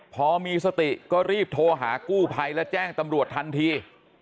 พอมีสติก็รีบโทรหากู้ภัยและแจ้งตำรวจทันที